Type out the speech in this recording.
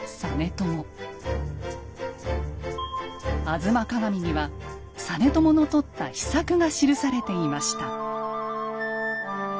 「吾妻鏡」には実朝のとった秘策が記されていました。